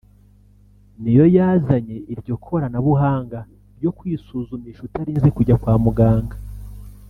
niyo yazanye iryo korana buhanga ryo kwisuzumisha utarinze kujya kwa muganga